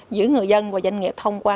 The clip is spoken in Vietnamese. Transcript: giữa người dân và doanh nghiệp thông qua